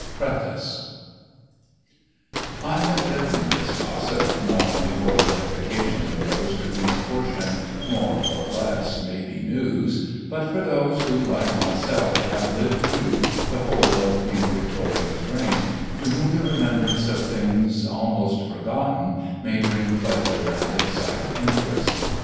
PREFACE, I HAVE written this Gossip not only for the edification of those to whom a portion, more or less, may be news, but for those who, like myself, have lived through the whole of Queen Victoria's reign, to whom the remembrance of things, almost forgotten, may bring pleasure and excite interest.